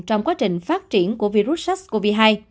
trong quá trình phát triển của virus sars cov hai